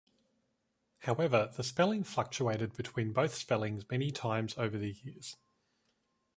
However the spelling fluctuated between both spellings many times over the years.